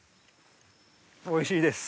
おいしいです！